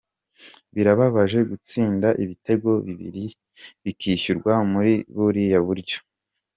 Birababaje gutsinda ibitego bibiri bikishyurwa muri buriya buryo.